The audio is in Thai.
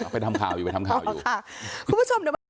ไปทำข่าวอยู่ไปทำข่าวอยู่